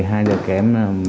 thu hết tiền